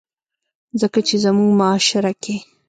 ځکه چې زمونږ معاشره کښې